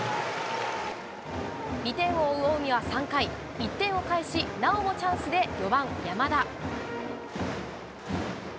２点を追う近江は３回、１点を返し、なおもチャンスで４番山田。